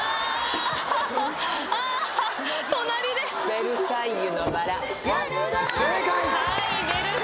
『ベルサイユのばら』正解！